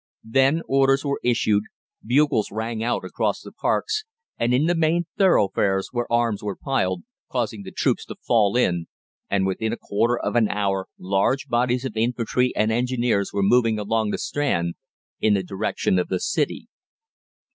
Then orders were issued, bugles rang out across the parks, and in the main thoroughfares, where arms were piled, causing the troops to fall in, and within a quarter of an hour large bodies of infantry and engineers were moving along the Strand, in the direction of the City.